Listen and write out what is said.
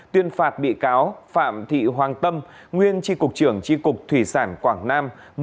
tuyên phạt bị cáo phạm thị hoàng tâm nguyên tri cục trưởng tri cục thủy sản quảng nam